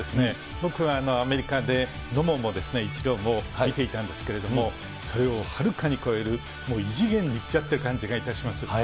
僕はアメリカで野茂もイチローも見ていたんですけれども、それをはるかに超える、もう異次元に行っちゃってる感じがいたします。